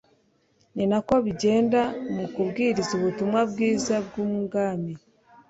Ni nako bizagenda mu kubwiriza ubutumwa bwiza bw'ubwami.